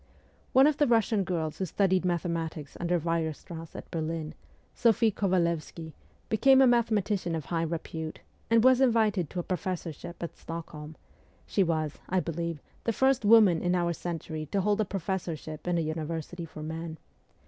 One of the Russian girls who studied mathematics under Weierstrass at Berlin, Sophie Kovalevsky, became a mathematician of high repute, and was invited to a professorship at Stockholm ; she was, I believe, the first woman in our century to hold a professorship in a university for men.